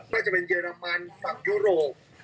จะเป็นเยอรมันฝั่งยุโรป